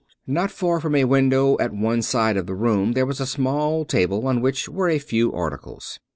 Not far from a window at one side of the room there was a small table on which were a few articles.